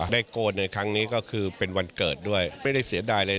โกนในครั้งนี้ก็คือเป็นวันเกิดด้วยไม่ได้เสียดายเลย